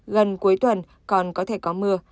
gần cuối tuần còn có thể có mưa